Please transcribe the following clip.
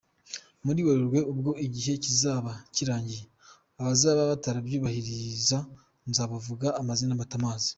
Muri Werurwe, ubwo igihe kizaba kirangiye, abazaba batarabyubahiriza nzabavuga amazina mbatamaze.